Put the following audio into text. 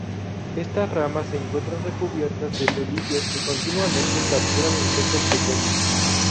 Estas ramas se encuentran recubiertas de pelillos que continuamente capturan insectos pequeños.